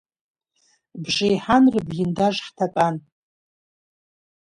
Бжеиҳан рыблиндаж ҳҭатәан.